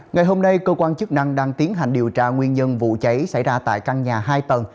ngày hôm nay cơ quan chức năng đang tiến hành điều tra nguyên nhân vụ cháy xảy ra tại căn nhà hai tầng